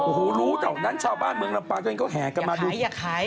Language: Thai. โอ้โฮรู้ต่อของนั้นชาวบ้านเมืองลำปางจนก็แหงกันมาดูอยากขายอยากขาย